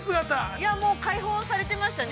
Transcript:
◆いやもう開放されてましたね。